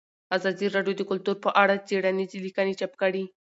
ازادي راډیو د کلتور په اړه څېړنیزې لیکنې چاپ کړي.